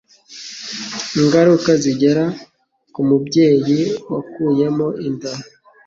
Ingaruka zigera ku mubyeyi wakuyemo inda